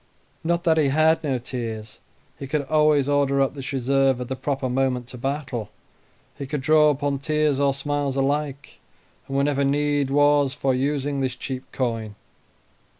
Not that he had no tears; he could always order up this reserve at the proper moment to battle; he could draw upon tears or smiles alike, and whenever need was for using this cheap coin.